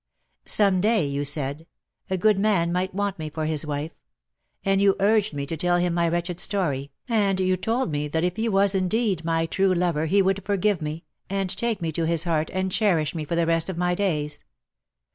Some day, you said, a good man might want me for his wife; and you urged me to tell him my wretched story, and you told me that if he was indeed my true lover, he would forgive me, and take me to his heart, and cherish me for the rest of my days.